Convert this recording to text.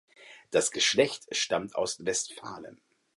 Das Geschlecht stammt aus Westfalen.